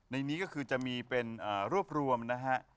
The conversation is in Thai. ในนี้ก็คือจะมีเป็นรวบรวมนะฮะ